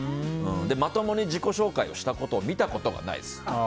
まともに自己紹介をしたところを見たことがないです。